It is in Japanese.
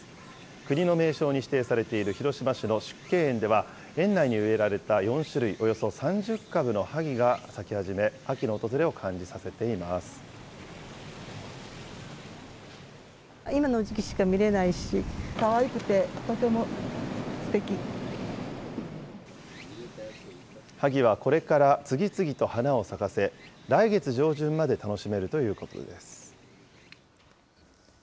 国の名勝に指定されている広島市の縮景園では、園内に植えられた４種類、およそ３０株のハギが咲き始め、秋の訪れを感じさせていハギはこれから次々と花を咲かせ、来月上旬まで楽しめるということです。